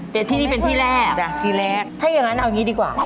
แต่ที่นี่เป็นที่แรกจ้ะที่แรกถ้าอย่างนั้นเอางี้ดีกว่า